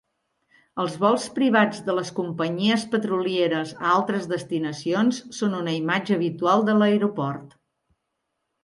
Els vols privats de les companyies petrolieres a altres destinacions són una imatge habitual de l'aeroport.